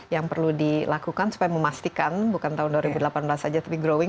yang perlu dilakukan supaya memastikan bukan tahun dua ribu delapan belas saja tapi growing